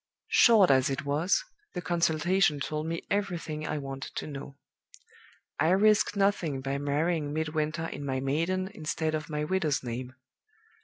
"Short as it was, the consultation told me everything I wanted to know. I risk nothing by marrying Midwinter in my maiden instead of my widow's name.